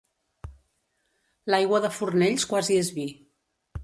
L'aigua de Fornells quasi és vi.